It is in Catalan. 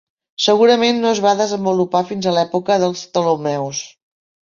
Segurament no es va desenvolupar fins a l'època dels Ptolemeus.